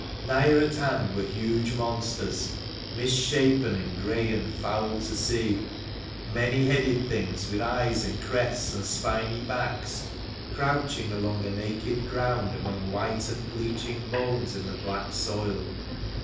Nigher at hand were huge monsters, mis shapen and grey and foul to see; many headed things, with eyes and crests and spiny backs, crouching along the naked ground, among white and bleaching bones in the black soil.